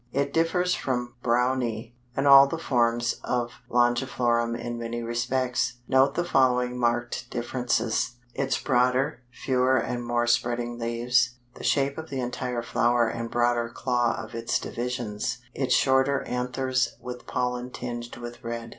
It differs from Brownii and all the forms of Longiflorum in many respects. Note the following marked differences: Its broader, fewer and more spreading leaves, the shape of the entire flower and broader claw of its divisions, its shorter anthers with pollen tinged with red.